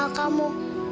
aku gak kenal kamu